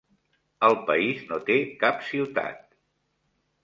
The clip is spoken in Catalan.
El país no té cap ciutat.